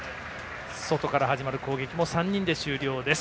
ソトから始まる攻撃も３人で終了です。